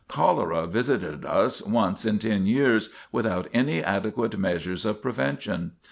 Cholera visited us once in ten years without any adequate measures of prevention.